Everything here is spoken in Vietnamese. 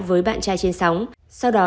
với bạn trai trên sóng sau đó